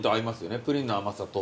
プリンの甘さと。